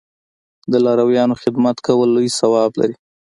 د لارویانو خدمت کول لوی ثواب لري.